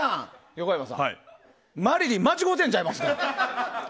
横山さん、マリリン間違うてるんちゃいます？